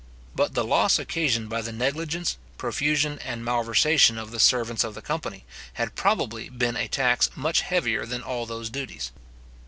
But the loss occasioned by the negligence, profusion, and malversation of the servants of the company, had probably been a tax much heavier than all those duties.